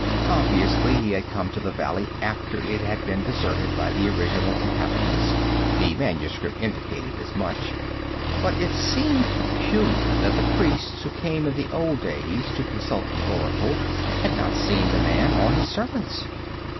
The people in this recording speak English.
Obviously he had come to the valley after it had been deserted by the original inhabitants the manuscript indicated as much but it seemed peculiar that the priests who came in the old days to consult the oracle had not seen the man or his servants.